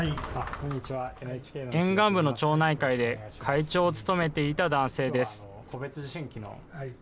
沿岸部の町内会で会長を務めていた男性です。